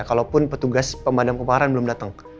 kalaupun petugas pemadam keparan belum dateng